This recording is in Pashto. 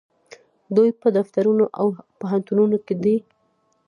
دوی په دفترونو او پوهنتونونو کې دي.